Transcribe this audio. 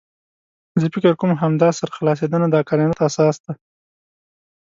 زه فکر کوم همدا سرخلاصېدنه د عقلانیت اساس دی.